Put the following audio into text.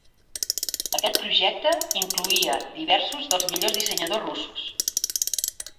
Aquest projecte incloïa diversos dels millors dissenyadors russos.